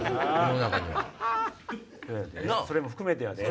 それも含めてやで。